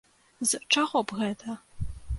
З чаго б гэта?